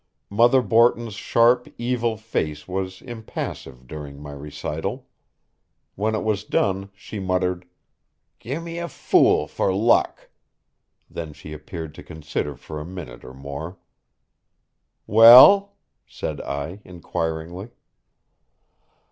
Mother Borton's sharp, evil face was impassive during my recital. When it was done she muttered: "Gimme a fool for luck." Then she appeared to consider for a minute or more. "Well?" said I inquiringly.